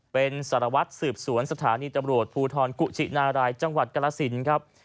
เป็นสารวัตรสืบสวนสถานีตำรวจภูทรกุชินารายจังหวัดกรสินครับ